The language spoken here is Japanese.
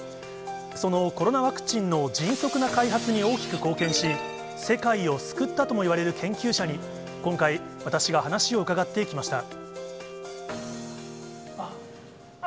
そのコロナワクチンの迅速な開発に大きく貢献し、世界を救ったともいわれる研究者に、今回、私が話を伺ってきました。